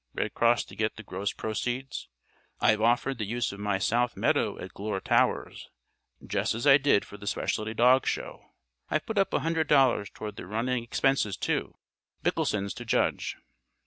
Red Cross to get the gross proceeds. I've offered the use of my south meadow at Glure Towers just as I did for the specialty dog show. I've put up a hundred dollars toward the running expenses too. Micklesen's to judge."